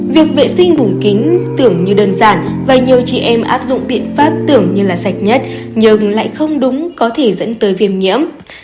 việc vệ sinh vùng kính tưởng như đơn giản và nhiều chị em áp dụng biện pháp tưởng như là sạch nhất nhưng lại không đúng có thể dẫn tới viêm nhiễm